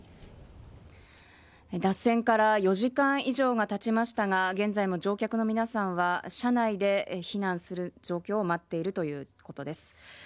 脱線から４時間以上が経ちましたが現在も乗客の皆さんは車内で避難する状況を待っているということです。